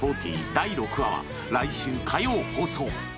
第６話は来週火曜放送